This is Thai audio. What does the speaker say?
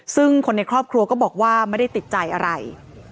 ซึ่งคนในครอบครัวก็บอกว่าไม่ได้ติดใจอะไร